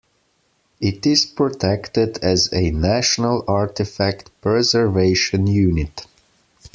It is protected as a National Artefact Preservation Unit.